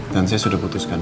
dan saya sudah putuskan